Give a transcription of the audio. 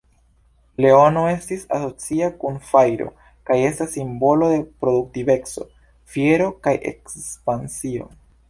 Leono estis asocia kun fajro kaj estas simbolo de produktiveco, fiero, kaj ekspansio.